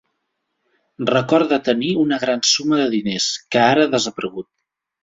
Recorda tenir una gran suma de diners, que ara ha desaparegut.